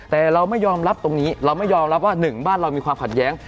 แต่เราไม่ยอมรับตรงนี้เราไม่ยอมรับว่าหนึ่งบ้านเรามีความขัดแย้ง